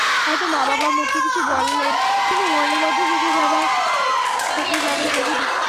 হয়তো মা-বাবা মুখে কিছু বললেন, কিন্তু মনের মধ্যে থেকে যাবে গভীর দুঃখ।